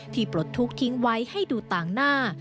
ปลดทุกข์ทิ้งไว้ให้ดูต่างหน้า